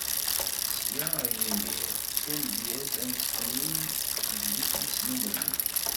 Sya ar yimir, s umedyez ad d-nettmlil deg Yiflisen Umellil.